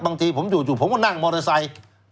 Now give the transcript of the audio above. บางทีผมอยู่ผมก็นั่งมอเตอร์ไซค์